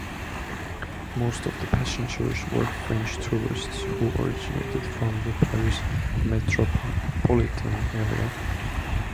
Most of the passengers were French tourists who originated from the Paris metropolitan area.